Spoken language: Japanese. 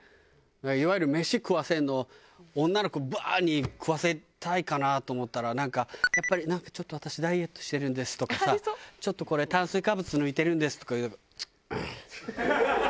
いわゆる飯食わせるの女の子ブワーッに食わせたいかなと思ったら「ちょっと私ダイエットしてるんです」とかさ「ちょっとこれ炭水化物抜いてるんです」とか。